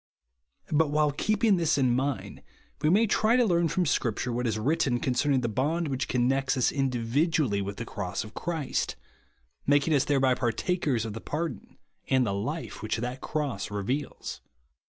But, while keeping this in mind, we may try to learn from Scripture what is written coDcerning the bond which connects us in 820082 1 00 RELIEVE AND BE SAVED. dividiially with the cross of Christ; making lis thereby partakers of the pardon and the life v/hich that cross reveals.